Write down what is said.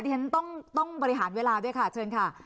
ฉันต้องบริหารเวลาด้วยค่ะเชิญค่ะ